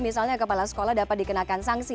misalnya kepala sekolah dapat dikenakan sanksi